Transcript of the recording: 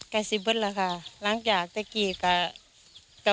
ก็สิบบ้าค่ะหลังจากเมื่อกี้ก็